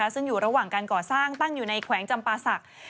ซึ่งอยู่ระหว่างการก่อสร้างตั้งอยู่ในแขวงจำปาศักดิ์